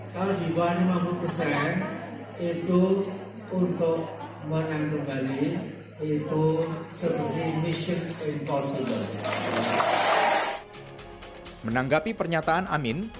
ketua amin rais menanggapi pernyataan amin